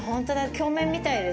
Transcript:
鏡面みたいです。